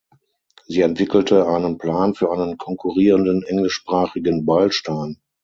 Sie entwickelte einen Plan für einen konkurrierenden englischsprachigen Beilstein.